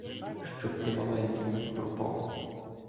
Щоб ти маленьким був пропав!